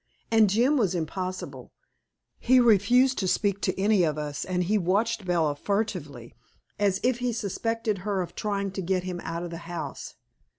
And Jim was impossible. He refused to speak to any of us and he watched Bella furtively, as if he suspected her of trying to get him out of the house.